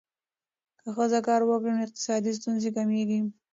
که ښځه کار وکړي، نو اقتصادي ستونزې کمېږي.